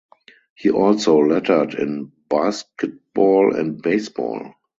He also lettered in basketball and baseball.